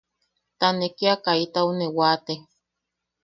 Ta ne kia kaitau ne waate.